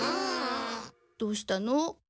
どうしたの？